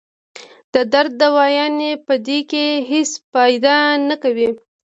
د درد دوايانې پۀ دې کښې هېڅ فائده نۀ کوي